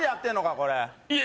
これいえ